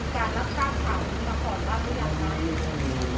ท่านของเราเนี่ยได้มีการรับประชุมต่อมาก็เข้ามา